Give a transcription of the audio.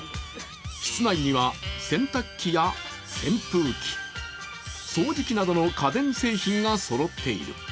室内には、洗濯機や、扇風機、掃除機などの家電製品がそろっている。